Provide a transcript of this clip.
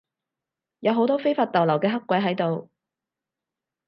有好多非法逗留嘅黑鬼喺度